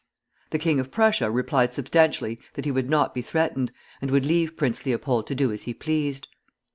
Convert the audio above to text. The king of Prussia replied substantially that he would not be threatened, and would leave Prince Leopold to do as he pleased.